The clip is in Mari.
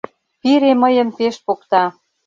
— Пире мыйым пеш покта.